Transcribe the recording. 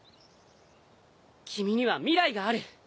君には未来がある。